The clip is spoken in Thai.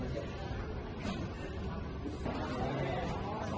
ดูกลูกก้าว